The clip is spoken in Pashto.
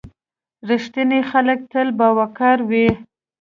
• رښتیني خلک تل باوقاره وي.